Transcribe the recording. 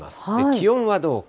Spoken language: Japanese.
気温はどうか。